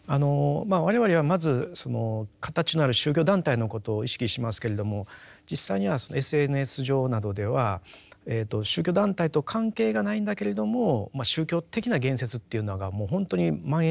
我々はまず形のある宗教団体のことを意識しますけれども実際にはＳＮＳ上などでは宗教団体と関係がないんだけれども宗教的な言説っていうのがもう本当に蔓延してると思うんですよね。